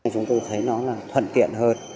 chúng tôi thấy nó là thuận tiện hơn